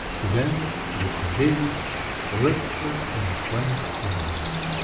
Then the Czarewitch left her and went on.